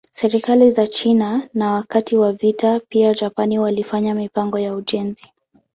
Serikali za China na wakati wa vita pia Japan walifanya mipango ya ujenzi.